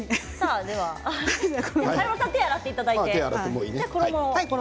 華丸さん手を洗っていただいて。